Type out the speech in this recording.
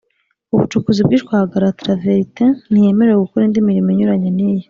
ubucukuzi bw ishwagara travertin Ntiyemerewe gukora indi mirimo inyuranye n iyo